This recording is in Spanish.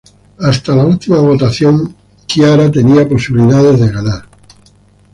Hasta la última votación Chiara tenía posibilidades de ganar.